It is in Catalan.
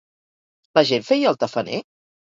La gent feia el tafaner?